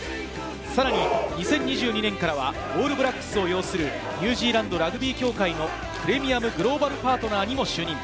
さらに２０２２年からはオールブラックスを擁するニュージーランドラグビー協会のプレミアムグローバルパートナーにも就任。